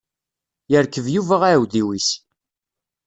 Yerkeb Yuba aɛudiw-is.